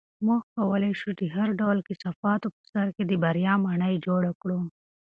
موږ کولی شو د هر ډول کثافاتو په سر د بریا ماڼۍ جوړه کړو.